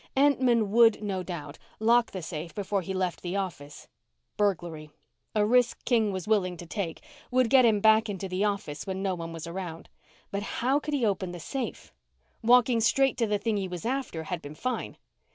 Entman would, no doubt, lock the safe before he left the office. Burglary a risk King was willing to take would get him back into the office when no one was around, but how could he open the safe? Walking straight to the thing he was after had been fine.